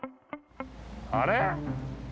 あれ？